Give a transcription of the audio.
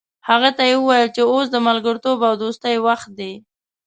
هغه ته یې وویل چې اوس د ملګرتوب او دوستۍ وخت دی.